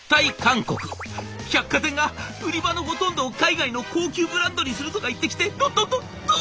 「百貨店が売り場のほとんどを海外の高級ブランドにするとか言ってきてどどどど